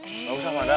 enggak usah madam